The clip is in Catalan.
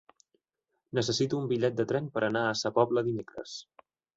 Necessito un bitllet de tren per anar a Sa Pobla dimecres.